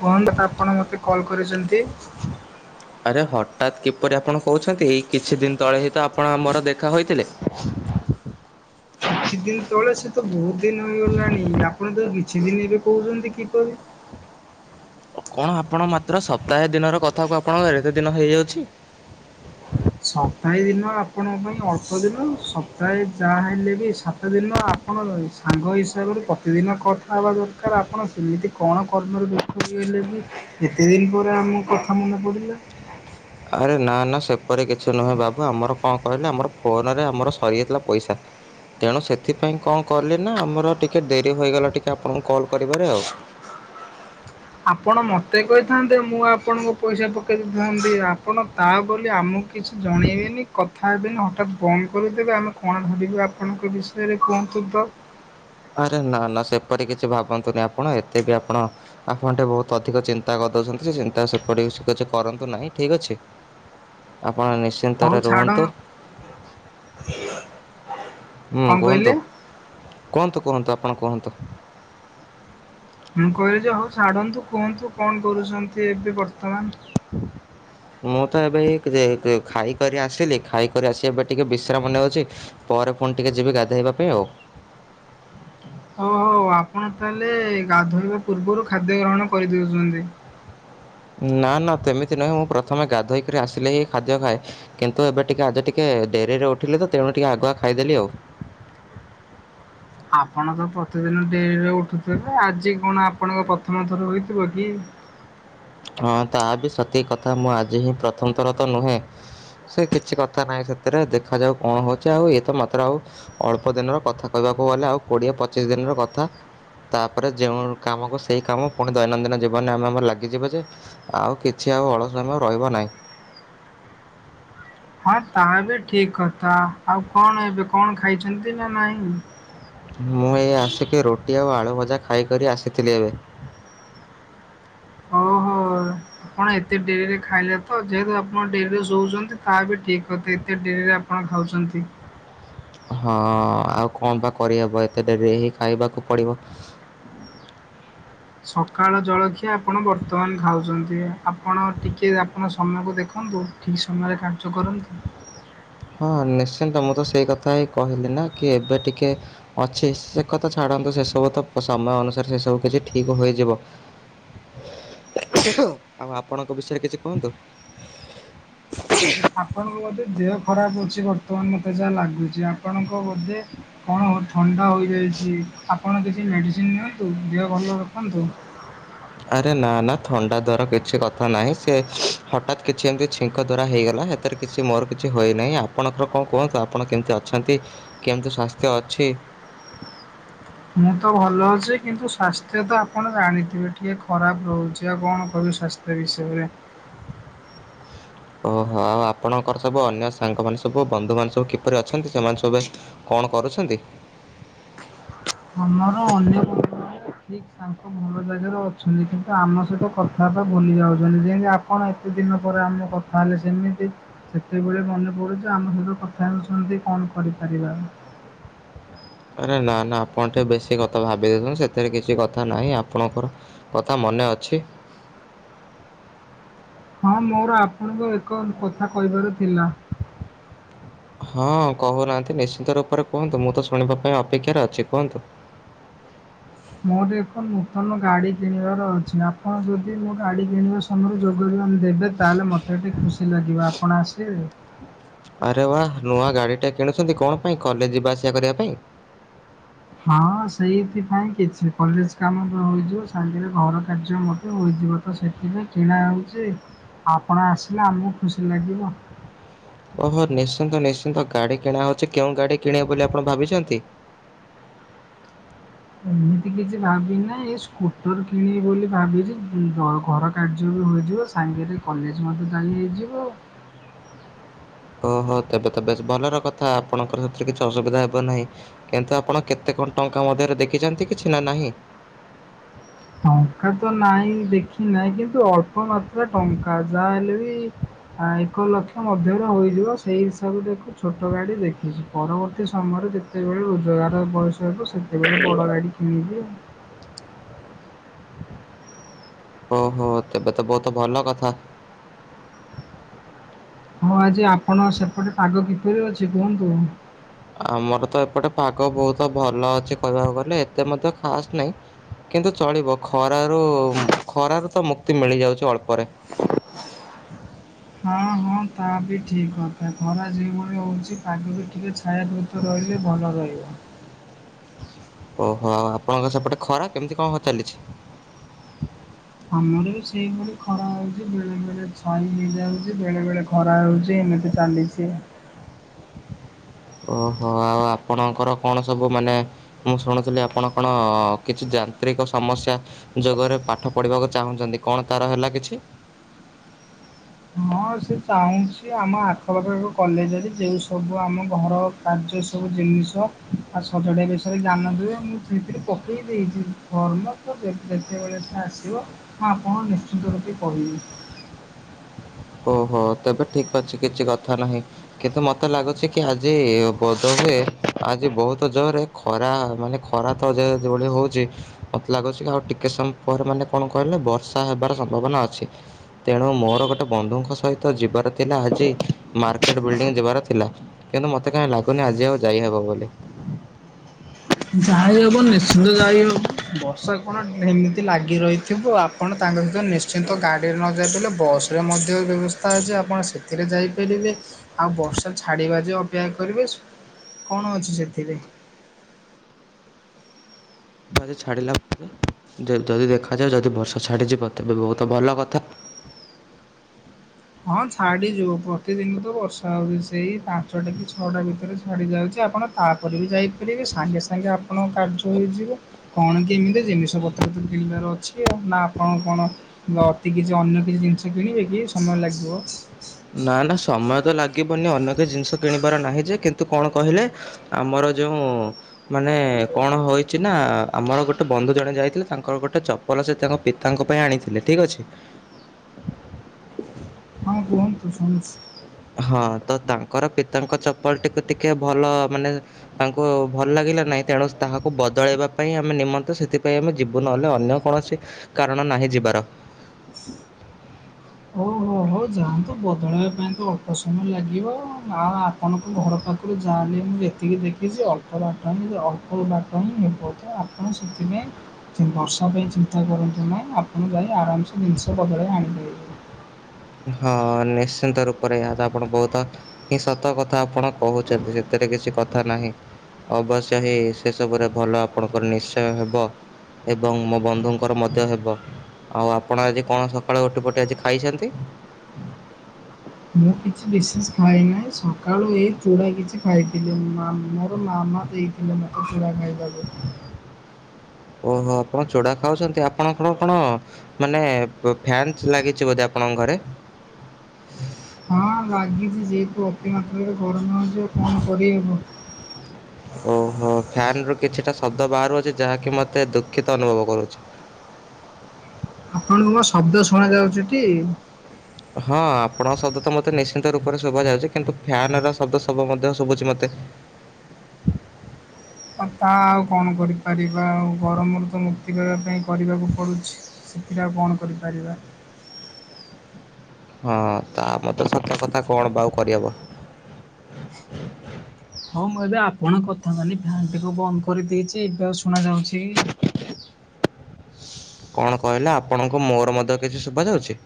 କୁହନ୍ତ ଆପଣ ମୋତେ କଲ୍ କରିଚନ୍ତି? ଆରେ ହଠାତ୍ କିପରି ଆପଣ କହୁଛନ୍ତି ଏଇ କିଛି ଦିନ ତଳେ ହିଁ ତ ଆପଣ ଆମର ଦେଖା ହୋଇଥିଲେ। କିଛି ଦିନ ତଳେ ସେ ତ ବହୁତ ଦିନ ହେଇଗଲାଣି ଆପଣତ କିଛି ଦିନ ଏବେ କହୁଛନ୍ତି କିପରି? କଣ ଆପଣ ମାତ୍ର ସପ୍ତାହେ ଦିନର କଥାକୁ ଆପଣଙ୍କ ଏତେ ଦିନ ହେଇଯାଉଛି। ସପ୍ତାହେ ଦିନ ଆପଣଙ୍କ ପାଇଁ ଅଳ୍ପ ଦିନ ସପ୍ତାହେ ଯାହା ହେଲେବି ସାତଦିନ ଆପଣ ସାଙ୍ଗ ହିସାବରେ ପ୍ରତିଦିନ କଥା ହେବା ଦରକାର ଆପଣ ସେମିତି କଣ କର୍ମରେ ବେ ହେଇଗଲେ ଯେ ଏତେ ଦିନ ପରେ ଆମ କଥା ମନେ ପଡ଼ିଲା? ଆରେ ନାନା ସେପରି କିଛି ନୁହେଁ ବାବୁ ଆମର କଣ କହିଲେ ଆମର ଫୋନରେ ଆମର ସରିଯାଇଥିଲା ପଇସା ତେଣୁ ସେଥିପାଇଁ କଣ କଲିନା ଆମର ଟିକେ ଡେରି ହୋଇଗଲା ଟିକେ ଆପଣଙ୍କୁ କଲ୍ କରିବାରେ ଆଉ। ଆପଣ ମୋତେ କହିଥାନ୍ତେ ମୁଁ ଆପଣଙ୍କ ପଇସା ପକାଇ ଦେଇଥାନ୍ତି ଆପଣ ତାବୋଲି ଆମକୁ କିଛି ଜଣେଇବେନି କଥା ହେବେନି ହଠାତ୍ ବନ୍ଦ କରିଦେବେ ଆମେ କଣ ଭାବିବୁ ଆପଣଙ୍କ ବିଷ ସେରେ କୁହନ୍ତୁତ? ଆରେ ନା ନା ସେପରି କିଛି ଭାବନ୍ତୁନି ଆପଣ ଏତେ ବି ଆପଣ ଆପଣ ଟିକେ ବହୁତ ଅଧିକ ଚିନ୍ତା କରିଦଉଚନ୍ତି ସେ ଚିନ୍ତା ସେପଟ କରନ୍ତୁ ନାହିଁ ଠିକ୍ ଅଛି। ଆପଣ ନି ହଉ ଛାଡ଼ ହୁଁ କଣ କହିଲେ କୁହନ୍ତୁ କୁହନ୍ତୁ କୁହନ୍ତୁ ଆପଣ କୁହନ୍ତୁ? ମୁଁ କହିଲିଯେ ହଉ ଛାଡ଼ନ୍ତୁ କୁହନ୍ତୁ କଣ କରୁଚନ୍ତି ଏବେ ବର୍ତ୍ତମାନ? [inaudible] ମୁଁ ତ ଏବେ ଯେ କେ ଖାଇକରି ଆସିଲି ଖାଇକରି ଆସି ଏବେ ଟିକେ ବିଶ୍ରାମ ନଉଛି ପରେ ପୁଣି ଟିକେ ଯିବି ଗାଧୋଇବା ପାଇଁ ଆଉ। ଓହୋ ଆପଣ ତାହେଲେ ଗାଧୋଇବା ପୂର୍ବରୁ ଖାଦ୍ୟ ଗ୍ରହଣ କରିଦଉଚନ୍ତି? ନା ନା ସେମିତି ନୁହେଁ ମୁଁ ପ୍ରଥମେ ଗାଧୋଇକିରି ଆସିଲେ ହିଁ ଖାଦ୍ୟ ଖାଏ କିନ୍ତୁ ଏବେ ଟିକେ ଆଜି ଟିକେ ଡେରିରେ ଉଠିଲେ ତେଣୁ ଟିକେ ଆଗୁଆ ଖାଇଦେଲି ଆଉ। ଆପଣତ ପ୍ରତିଦିନ ଡେରିରେ ଉଠୁଥିବେ ଆଜି କଣ ଆପଣଙ୍କ ପ୍ରଥମ ଥର ହୋଇଥିବକି? ହଁ ତାବି ସତି କଥା ମୁଁ ଆଜିହିଁ ପ୍ରଥମଥରତ ନୁହେଁ। ସେ କିଛି କଥା ନାହିଁ ସେଥିରେ ଦେଖାଯାଉ କଣ ହଉଚି ଆଉ ଇଏତ ମାତ୍ର ଆଉ ଅଳ୍ପ ଦିନର କଥା କହିବାକୁ ଗଲେ ଆଉ କୋଡ଼ିଏ ପଚିଶି ଦିନର କଥା ତାପରେ ଯେଉଁ କାମକୁ ସେଇ କାମ ପୁଣି ଦୈନନ୍ଦିନ ଜୀବନରେ ଆମେ ଆମର ଲାଗିଯିବ ଯେ ଆଉ କିଛି ଆଉ ଅଳସୁୟା ରହିବ ନାହିଁ। ହଁ ତାହାବି ଠିକ୍ କଥା ଆଉ କଣ ଏବେ କଣ ଖାଇଛନ୍ତିନା ନାହିଁ? ମୁଁ ଏଇ ଆସିକି ରୁଟି ଆଉ ଆଳୁ ଭଜା ଖାଇକରି ଆସିଥିଲି ଏବେ। ଓହୋ ଆପଣ ଏତେ ଡେରିରେ ଖାଇଲେତ ଯେହେତୁ ଆପଣ ଡେରିରେ ଶୋଉଛନ୍ତି ତାହା ବି ଠିକ୍ ଅତ ଏତେ ଡେରିରେ ଆପ କଣ ଖାଉଚନ୍ତି। ହଁ ଆଉ କଣବା କରିହବ ଏତେ ଡେରିହି ଖାଇବାକୁ ପଡ଼ିବ ସକାଳ ଜଳଖିଆ ଆପଣ ବର୍ତ୍ତମାନ ଖାଉଚନ୍ତି ଆପଣ ଟିକିଏ ଆପଣ ସମୟକୁ ଦେଖନ୍ତୁ। ଠିକ୍ ସମୟରେ କାର୍ଯ୍ୟ କରନ୍ତୁ। ହଁ ନିଶ୍ଚିନ୍ତ ମୁଁତ ସେଇ କଥାହିଁ କହିଲିନା କିଏବେ ଟିକେ ଅଛି ସେ କଥା ଛାଡ଼ନ୍ତୁ ସେ ସବୁ ତ ସମୟ ଅନୁସାରେ ସେ ସବୁ କିଛି ଠିକ ହୋଇଯିବ ଆଉ ଆପଣଙ୍କ ବିଷୟରେ କିଛି କୁହନ୍ତୁ ଆପଣଙ୍କ ବୋଧେ ଦେହ ଖରାପ ଅଛି ବର୍ତ୍ତମାନ ମତେ ଯାହା ଲାଗୁଛି ଆପଣଙ୍କ ବୋଧେ ହଁ ଥଣ୍ଡା ହୋଇଯାଉଛି ଆପଣ ଟିକେ ମେଡିସିନ ନିଅନ୍ତୁ ଦେହ ଭଲ ରଖନ୍ତୁ। ଆରେ ନା ନା ଥଣ୍ଡା ଦାର କିଛି କଥା ନାହିଁ ସେ ହଠାତ୍ କିଛି ଏମିତି ଛିଙ୍କ ଦାର ହେଇଗଲା ସେଥିରେ ସେ ମୋର କିଛି ହୋଇନାହିଁ ଆପଣଙ୍କର କଣ କୁହନ୍ତୁ ଆପଣ କେମିତି ଅଛନ୍ତି କେମିତି ସ୍ଵାସ୍ଥ୍ୟ ଅଛି। ମୁଁ ତ ଭଲ ଅଛି କିନ୍ତୁ ସ୍୍ୱାସ୍ଥ୍ୟ ତ ଆପଣ ଜାଣିଥିବେ ଟିକେ ଖରାପ ରହୁଛି ଆଉ କଣ କହିବି ସ୍ୱାସ୍ଥ୍ୟ ଏ ବିସୟରେ ଓହୋ ଆଉ ଆପଣଙ୍କର ସବୁ ଅନ୍ୟ ସାଙ୍ଗ ମାନ ସବୁ ବନ୍ଧୁ ମାନ ସୁ କିପରି ଅଛନ୍ତି ସେମାନେ ସବୁ କଣ କରୁଛନ୍ତି ଆମର ଅନ୍ୟ ଠିକ୍ ତାଙ୍କୁ ଭଲ ଜାଗାରେ ଅଛନ୍ତି କିନ୍ତୁ ଆମ ସହିତ କଥାଟ ଭୁଲି ଯାଉଛନ୍ତି ଯେମତି ଆପଣ ଏତେ ଦିନ ପରେ ଆମ କଥା ତାହେଲେ ସେମିତି ସେତେବେଳେ ମନେ ପଡ଼ୁଛି ଆମ ସହିତ କଥା ହେଉଛନ୍ତି କଣ କରିପାରିବା ଆଉ। ଆରେ ନା ନା ଆପଣ ଟିକେ ବେଶୀ କଥା ଭାବିଦଥନ୍ତ ସେଥିରେ କିଛି କଥା ନାହିଁ ଆପଣଙ୍କର କଥା ମନେ ଅଛି ହଁ ମୋର ଆପଣଙ୍କ ଏକ କଥା କହିବାର ଥିଲା ହଁ କହୁନାହାନ୍ତି ନିଶ୍ଚିନ୍ତ ରୂପରେ କୁହନ୍ତୁ ମୁଁ ତ ଶୁଣିବା ପାଇଁ ଅପେକ୍ଷାରେ ଅଛି କୁହନ୍ତୁ ମୋର ଏକ ନୂତନ ଗାଡି କିଣିବାର ଅଛି ଆପଣ ଯଦି ମୁଁ ଗାଡି କିଣିବା ସମୟରେ ଯୋଗଦାନ ଦେବେ ତାହେଲେ ମୋତେ ଟିକିେ ଖୁସି ଲାଗିବ ଆପଣ ଆସିବେ। ଆରେ ବା ନୂଆ ଗାଡି ଟା କିଣୁଛନ୍ତି କଣ ପାଇଁ କଲେଜ ଯିବା ଆସିବା କରିବା ପାଇଁ ହଁ ସେଇଥିପାଇଁ କିଛି କଲେଜ କାମ ତ ହୋଇଯିବ ସାଙ୍ଗରେ ଘର କାର୍ଯ୍ୟ ମୋତେ ହୋଇଯିବ ତ ସେ ଏବେ କିଣା ହେଉଛି ଆପଣ ଆସିଲେ ଆମକୁ ଖୁସି ଲାଗିବ ଓହୋ ନିଶ୍ଚିନ୍ତ ନିଶ୍ଚିନ୍ତ ଗାଡି କିଣା ହଉଛି କେଉଁ ଗାଡି କିଣିବେ ବୋଲି ଆପଣ ଭାବିଛନ୍ତି ଏମିତି କିଛି ଭାବ ନାହିଁ ଏଇ ସ୍କୁଟର କିଣିବି ବୋଲି ଭାବିଛି ଘର କାର୍ଯ୍ୟ ବି ହୋଇଯିବ ସାଙ୍ଗରେ କଲେଜ ମଧ୍ୟ ଯାାଇ ହେଇଯିବ ଓହୋ ତେବେ ତ ବେଶ ଭଲର କଥା ଆପଣଙ୍କର ସେଥିରେ କିଛି ଅସୁବିଧା ହେବ ନାହିଁ କିନ୍ତୁ ଆପଣ କେତେ କଣ ଟଙ୍କା ମଧ୍ୟରେ ଦେଖିଛନ୍ତି କିଛି ନା ନାହିଁ ଟଙ୍କା ତ ନାଇଁ ଦେଖି ନାହିଁ କିନ୍ତୁ ଅଳ୍ପ ମାତ୍ରାରେ ଟଙ୍କା ଯାହାହଲେ ବି ଆ ଏକ ଲକ୍ଷ ମଧ୍ୟରେ ହୋଇଯିବ ସେଇ ହିସାବ ଟାକୁ। ଛୋଟ ଗାଡ଼ି ଦେଖିଛି ପରବର୍ତ୍ତୀ ସମୟରେ ଯେତେବେଳେ ରୋଜଗାର ବୟସ ହେବ ସେତେବେଳେ ବଡ଼ ଗାଡ଼ି ନିୁ ଯେ ଓହୋ ତେବେ ତ ବହୁତ ଭଲ କଥା। ହଁ ଆଜି ଆପଣ ସେପଟେ ପାଗ କିପରି ଅଛି କୁହନ୍ତୁ। ଆମର ତ ଏପଟେ ପାଗ ବହୁତ ଭଲ ଅଛି କହିବାକୁ ଗଲେ ଏତେ ମଧ୍ୟ ଖାସ୍ ନାହିଁ। କିନ୍ତୁ ଚଳିବ ଖରାରୁ ଖରାରୁ ତ ମୁକ୍ତି ମିଳିଯାଉଛି ଅଳ୍ପରେ। ହଁ ହଁ ତା ବି ଠିକ କଥା ଖରା ଯେଭଳି ହଉଛି ତାକୁେ ବି ଟିକେ ଛାଇା ଦଉଛି। ରହିଲେ ଭଲ ରହିବ। ଓହୋ ଆଉ ଆପଣଙ୍କ ସେପଟେ ଖରା କେମିତି କଣ ଚାଲିଛି। ଆମର ବି ସେଇପରି ଖରା ହଉଛି ବେଳେ ବେଳେ ସାର ହେଯ ହାଉଛି ବେଳେ ବେଳେ। ଖରା ରଉଛି ଏମ ତ ଚାଲିଛି। ଓହୋ ଆଉ ଆପଣଙ୍କର କଣ ସବୁ ମାନେ। ମୁଁ ଶୁଣୁଥିଲି ଆପଣ କଣ କିଛି ଯାନ୍ତ୍ରିକ ସମସ୍ୟା ଯୋଗରେ ପାଠ ପଢିବାକୁ ଚାହୁଁଛନ୍ତି କଣ ତାର ହେଲା କିଛି ହଁ ସେ ଚାହୁଁଛି ଆମ ଆଖପାଖରେ ଏକ କଲେଜରେ ଯେଉଁ ସବୁ ଆମ ଘର କାର୍ଯ୍ୟ ସବୁ ଜିନିଷ ସଜଡିବା ବିଷୟରେ ଜ୍ଞାନ ଦୁଏ ମୁଁ ସେଥିରେ ପକେଇ ଦେଇଛି। ଫର୍ମ ତ ଯେ ଯେତେବେଳେ ସେ ଆସିବ ହଁ ଆପଣଙ୍କୁ ନିଶ୍ଚିନ୍ତ ରୂପରେ କହିବି। ଓହୋ ତେବେ ଠିକ୍ ଅଛି କିଛି କଥା ନାହିଁ କିନ୍ତୁ ମତେ ଲାଗୁଛି କି ଆଜି ବୋଧ ହୁଏ ଆଜି ବହୁତ ଯୋରରେ ଖରା ମାନେ ଖରା ତ ଯେ ଯୋଭଳି ହୋଉଛି ମତେ ଲାଗୁଛି ଆଉ ଟିକେ ସମ ପରେ ମାନେ କଣ କହିଲେ ବର୍ଷା ହେବାର ସମ୍ଭାବନା ଅଛି। ତେଣୁ ମୋର ଗୋଟେ ଗୋଟେ ବନ୍ଧୁଙ୍କ ସହିତ ଯିବାର ଥିଲା ଆଜି ମାର୍କେଟ ବିଲଡିଂ ଯିବାର ଥିଲା। କିନ୍ତୁ ମୋତେ କାଇଁ ଲାଗୁନି ଆଜି ଆଉ ଯାଇହବ ବୋଲି। ଯାଇ ହବ ନିଶ୍ଚିନ୍ତ ଯାଇ ହବ ବର୍ଷା କଣ ଏମିତି ଲାଗି ରହିଥିବ? ଆପଣ ତାଙ୍କ ସହିତ ନିଶ୍ଚିନ୍ତ ଗାଡ଼ିରେ ନ ଯାଇପାରିଲେ ବସ୍ ରେ ମଧ୍ୟ ବ୍ୟବସ୍ଥା ଅଛି ଆପଣ ସେଥିରେ ଯାଇପାରିବେ। ଆଉ ବର୍ଷା ଛାଡ଼ିବା ଯେ ଅପେକ୍ଷା କରିବେ। କଣ ଅଛି ସେଥିରେ? ଦେଖ ଛାଡ଼ିଲା ପରେ ଯଦି ଦେଖାଯାଏ ଯଦି ବର୍ଷ ଛାଡ଼ିଯିବ ତେବେ ବହୁତ ଭଲ କଥା। ହଁ ଛାଡ଼ିଯିବ। ପ୍ରତିଦିନ ତ ବର୍ଷା ହେଉଛି ସେଇ ପାଞ୍ଚଟା କି ଛଅଟା ଭିତରେ ଛାଡ଼ିଯାଉଛି ଆପଣ ତାପରେ ବି ଯାଇପାରିବେ ସାଙ୍ଗେ ସାଙ୍ଗେ ଆପଣଙ୍କ କାର୍ଯ୍ୟ ହୋଇଯିବ। କଣ କେମିତି ଜିନିଷ ପତ୍ର ତ କିଣିବାର ଅଛି ଆଉ ନା ଆପଣ କଣ ନ ଅତି କିଛି ଅନ୍ୟ କିଛି ଜିନିଷ କିଣିବେ କି ସମୟ ଲାଗିବ? ନା ନା ସମୟ ତ ଲାଗିବନି ଅନ୍ୟ କିଛି ଜିନିଷ କିଣିବାର ନାହିଁ ଯେ କିନ୍ତୁ କଣ କହିଲେ? ଆମର ଯୋଉଁ ମାନେ କଣ ହୋଇଛି ନା ଆମର ଗୋଟେ ବନ୍ଧୁ ଜଣେ ଯାଇଥିଲେ ତାଙ୍କର ଗୋଟେ ଚପ ପଲ ସେ ତାଙ୍କ ପିତାଙ୍କ ପାଇଁ ଆଣିଥିଲେ। ଠିକ୍ ଅଛି। ହଁ କୁହନ୍ତୁ ଶଣୁଛି। ହଁ ତ ତାଙ୍କର ପିତାଙ୍କ ଚପଲଟିକୁ ଟିକେ ଭଲ ମାନେ ତାଙ୍କୁ ଭଲ ଲାଗିଲା ନାହିଁ। ତେଣୁ ସ୍ ତାହାକୁ ବଦଳେଇବା ପାଇଁ ଆମେ ନିମନ୍ତେ ସେଥିପାଇଁ ଆମେ ଯିବୁ ନ ହେଲେ ଅନ୍ୟ କୌଣସି କାରଣ ନାହିଁ ଯିବାର। ଓହୋ ଯାଆନ୍ତୁ ବଦଳାଇବା ପାଇଁ ତ ଅଳ୍ପ ସମୟ ଲାଗିବ। ଆ ଆପଣଙ୍କ ଘର ପାଖରୁ ଯା ହେଲେ ବି ଏତିକି ଦେଖିଛି [unintelligible] ଆପଣ ସେଥିପାଇଁ ବର୍ଷା ପାଇଁ ଚିନ୍ତା କରନ୍ତୁ ନାହିଁ। ଆପଣ ଯାଇ ଆରାମ ସେ ଜିନିଷ ବଦଳେଇ ଆଣିିବେ। ହଁ ନିଶ୍ଚିନ୍ତ ରୂପରେ। ଏହା ତ ଆପଣ ବହୁତ ହିଁ ସତ କଥା ଆପଣ କହୁଛନ୍ତି। ସେଥିରେ କିଛି କଥା ନାହିଁ। ଅବଶ୍ୟ ହେଇ ସେ ସବୁରେ ଭଲ ଆପଣଙ୍କର ନିଶ୍ଚୟ ହେବ। ଏବଂ ମୋ ବନ୍ଧୁଙ୍କର ମଧ୍ୟ ହେବ। ଆଉ ଆପଣ ଆଜି କଣ ସକାଳୁ ରୁଟି ଫୁଟି ଆଜି ଖାଇଛନ୍ତି? ମୁଁ କିଛି ବିସେସ୍ ଖାଇନାହିଁ। ସକାଳୁ ଏଇ ଚୂଡ଼ା କିଛି ଖାଇଥିଲି। ମୋର ମାମା ଦେଇଥିଲେ ମୋତେ ଚୂଡ଼ା ଖାଇବାକୁ। ଓହୋ ଆପଣ ଚୂଡ଼ା ଖାଉଛନ୍ତି। ଆପଣଙ୍କ କଣ କଣ ମାନେ ଫୋ ଫ୍ୟାନ୍ଟ୍ ଲାଗିଛି ବୋଧେ ଆପଣଙ୍କ ଘରେ? ହଁ ଲାଗିଛି ଯେହେତୁ ଅତି ମାତ୍ରାରେ ଗରମ ହେଉଛି। ଆଉ କଣ କରି ହେବ? ଓହୋ ଫ୍ୟାନ୍ ରୁ କିଛିଟା ଶବ୍ଦ ବାହାରୁ ଅଛି ଯାହାକି ମତେ ଦୁଃଖିତ ଅନୁଭବ କରୁଛି। ଆପଣଙ୍କୁ କଣ ଶବ୍ଦ ଶୁଣା ଯାଉଛି କି? ହଁ ଆପଣଙ୍କ ଶବ୍ଦ ତ ମୋତେ ନିଶ୍ଚିନ୍ତ ରୂପରେ ଶୁଭା ଯାଉଛି। କିନ୍ତୁ ଫ୍ୟାନ ର ଶବ୍ଦ ସବୁ ମଧ୍ୟ ଶୁଭୁଛି ମତେ। ଆଉ ତା ଆଉ କଣ କରିପାରିବା? ଆଉ ଗରମରୁ ତ ମୁକ୍ତି ମିଳିବା ପାଇଁ କରିବାକୁ ପଡ଼ୁଛି। ସେଥିରେ ଆଉ କଣ କରିପାରିବା? ହଁ ତା ଗତ ସତ କଥା କଣ ବା ଆଉ କରିହବ? ହଉ ମୁଁ ଏବେ ଆପଣଙ୍କ କଥା ମାନି ଫ୍ୟାନ୍ ଟି କୁ ବନ୍ଦ କରିଦେଇଛି। ଏବେ ଆଉ ଶୁଣାଯାଉଛି? କଣ କହିଲେ ଆପଣଙ୍କୁ ମୋର ମଧ୍ୟ କିଛି ଶୁଭା ଯାଉଛି?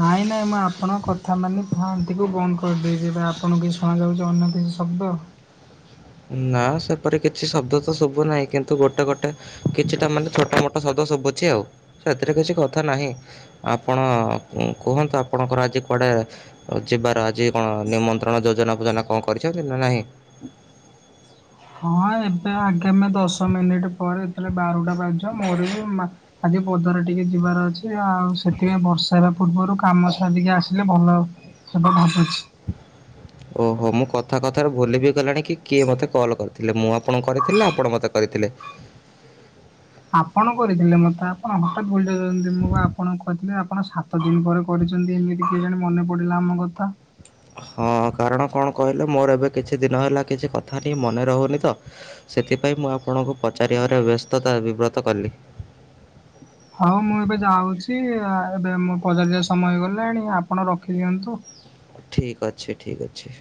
ନାଇଁ ନାଇଁ ମୁଁ ଆପଣଙ୍କ କଥା ମାନି ଫ୍ୟାନ୍ ଟି କୁ ବନ୍ଦ କରିଦେଇଛି। ଏବେ ଆପଣଙ୍କୁ କି ଶୁଣା ଯାଉଛି ଅନ୍ୟ କିଛି ଶବ୍ଦ? ନା ସେପରି କିଛି ଶବ୍ଦ ତ ଶୁଭୁ ନାହିଁ କିନ୍ତୁ ଗୋଟେ ଗୋଟେ କିଛିଟା ମାନେ ଛୋଟ ମୋଟ ଶବ୍ଦ ଶୁଭୁଛି ଆଉ ସେଥିରେ କିଛି କଥା ନାହିଁ। ଆପଣ କୁହନ୍ତୁ ଆପଣଙ୍କର ଆଜି କୁଆଡ଼େ ଯିବାର ଆଜି କଣ ନିମନ୍ତ୍ରଣ ଯୋଜନା ଫୋଜନା କଣ କରିଛନ୍ତି ନା ନାହିଁ? ହଁ ଏବେ ଆଗେ ଆମେ ଦଶ ମିନିଟ ପରେ ଯେତେବେଳେ ବାରୁଟା ବାଜେ ମୋର ବି ମା ଆଜି ପଦାରେ ଟିକେ ଯିବାର ଅଛି ଆଉ ସେଥି ପାଇଁ ବର୍ଷା ହେବା ପୂର୍ବରୁ କାମ ସାରିକି ଆସିଲେ ଭଲ ହେବ ଭାବୁଛି। ଓହୋ ମୁଁ କଥା କଥାରେ ଭୁଲି ବିି ଗଲିଣି କି କିଏ ମତେ କଲ୍ କରିଥିଲେ ମୁଁ ଆପଣ କରିଥିଲେ ଆପଣ ମତେ କରିଥିଲେ? ଆପଣ କରିଥିଲେ ମତେ ଆପଣ ହଠାତ୍ ଭୁଲିଯାଉଛନ୍ତି ମୁଁ ପା ଆପଣଙ୍କୁ କହିଥିଲି ଆପଣ ସା ତ ଦିନ ପରେ କରିଛନ୍ତି ଏମିତି କିଏ ଜାଣି ମନେ ପଡ଼ିଲା ଆମ କଥା। ହଁ କାରଣ କଣ କହିଲେ ମୋର ଏବେ କିଛି ଦିନ ହେଲା କିଛି କଥା ଟିକେ ମନେ ରହୁନି ତ। ସେଥିପାଇଁ ମୁଁ ଆପଣଙ୍କୁ ପଚାରିବାର ବ୍ୟସ୍ତତା ବିବ୍ରତ କଲି। ହଉ ମୁଁ ଏବେ ଯାଉଛି ଏବେ ମୁଁ ପଚାରିବା ସମୟ ହେଇଗଲାଣି ଆପଣ ରଖିଦିଅନ୍ତୁ। ଠିକ୍ ଅଛି ଠିକ୍ ଅଛି।